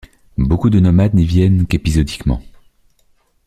Beaucoup de nomades n'y viennent qu'épisodiquement.